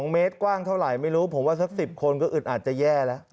เมตรกว้างเท่าไหร่ไม่รู้ผมว่าสัก๑๐คนก็อึดอาจจะแย่แล้ว